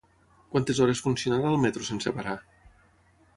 Quantes hores funcionarà el metro sense parar?